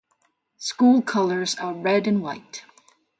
School colors are red and white.